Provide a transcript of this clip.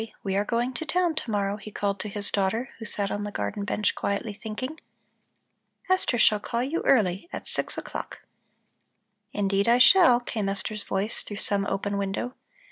We are going to town to morrow," he called to his daughter, who sat on the garden bench quietly thinking. "Esther shall call you early, at six o'clock." "Indeed, I shall," came Esther's voice through some open window.